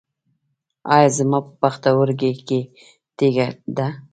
ایا زما په پښتورګي کې تیږه ده؟